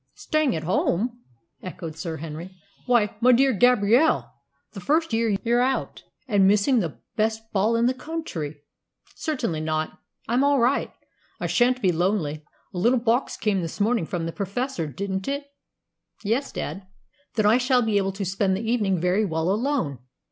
"Staying at home!" echoed Sir Henry. "Why, my dear Gabrielle, the first year you're out, and missing the best ball in the county! Certainly not. I'm all right. I shan't be lonely. A little box came this morning from the Professor, didn't it?" "Yes, dad." "Then I shall be able to spend the evening very well alone.